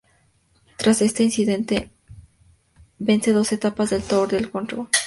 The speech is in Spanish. Tras este incidente vence dos etapas en el Tour de Poitou-Charentes.